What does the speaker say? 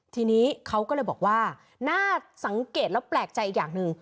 ทีนี้เขาก็เลยบอกว่าน่าสังเกตแล้วแปลกใจอีกอย่างหนึ่ง